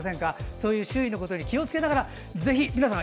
そういう周囲のことに気を付けながらぜひ皆さん